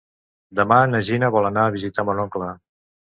Demà na Gina vol anar a visitar mon oncle.